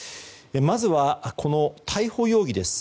まずは、この逮捕容疑です。